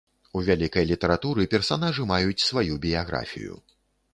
У вялікай літаратуры персанажы маюць сваю біяграфію.